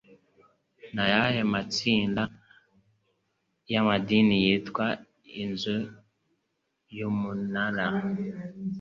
Ni ayahe matsinda y’amadini yitwa Inzu yumunara